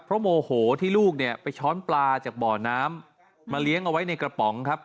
เพราะโมโหที่ลูกเนี่ยไปช้อนปลาจากบ่อน้ำมาเลี้ยงเอาไว้ในกระป๋องครับ